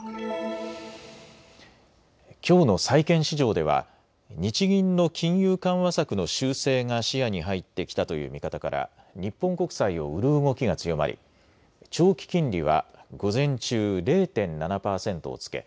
きょうの債券市場では日銀の金融緩和策の修正が視野に入ってきたという見方から日本国債を売る動きが強まり長期金利は午前中、０．７％をつけ